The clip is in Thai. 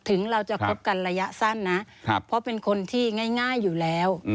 ถึงเราจะคบกันระยะสั้นนะเพราะเป็นคนที่ง่ายอยู่แล้ว